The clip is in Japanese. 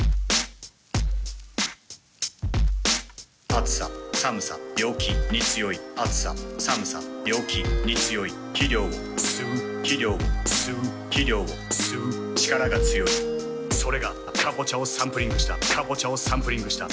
「暑さ寒さ病気に強い暑さ寒さ病気に強い」「肥料を吸う肥料を吸う肥料を吸う力が強い」「それがカボチャをサンプリングしたカボチャをサンプリングした」